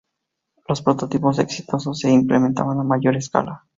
Los prototipos exitosos se implementan a mayor escala.